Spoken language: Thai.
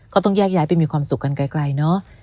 ก็ต้องแยกย้ายไปมีความสุขกันไกลเนอะ